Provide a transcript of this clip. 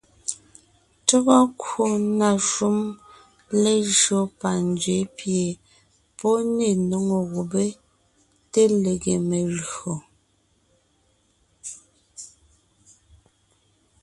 Tÿɔ́gɔ kwò na shúm lejÿó panzwě pie pɔ́ ne nóŋo gubé te lege melÿò.